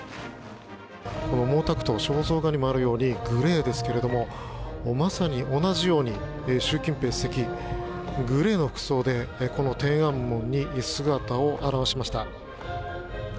この毛沢東肖像画にもあるようにグレーですけれどもまさに、同じように習近平主席グレーの服装で天安門に姿を現しました。